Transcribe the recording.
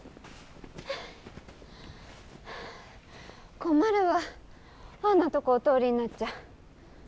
困るわあんなとこお通りになっちゃ。